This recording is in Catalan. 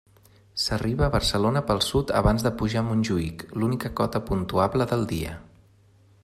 S'arriba a Barcelona pel sud abans de pujar a Montjuïc, l'única cota puntuable del dia.